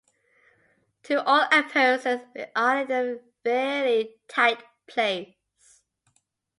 To all appearances we are in a fairly tight place.